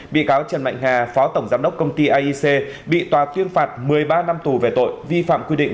bị cáo trần mạnh hà phó tổng giám đốc công ty aic bị tòa tuyên phạt một mươi ba năm tù về tội vi phạm quy định